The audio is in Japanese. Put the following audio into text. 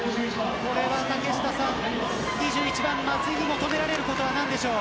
２１番、松井に求められることは何でしょう。